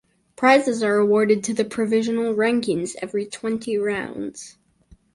Prizes are awarded to the provisional rankings every twenty rounds.